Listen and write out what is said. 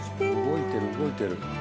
動いてる動いてる。